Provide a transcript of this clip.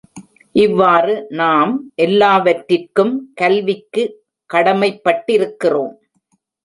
இவ்வாறு நாம் எல்லாவற்றிற்கும் கல்விக்கு கடமைப்பட்டிருக்கிறோம்.